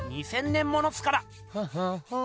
２，０００年ものっすから。